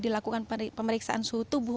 dilakukan pemeriksaan suhu tubuh